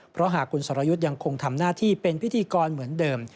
เพราะหากคุณสรยุทธ์ยังคงทำหน้าที่เป็นพิธีกรเหมือนเดิม